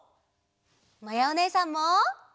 まやおねえさんも！